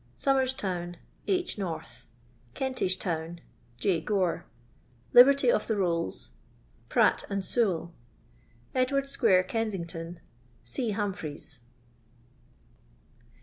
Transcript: Somer« town H. North. Kentish town J. Gore. Rolls (Liberty of the) Pratt and Sewell. Edward square, Kensington C. Iliimphries.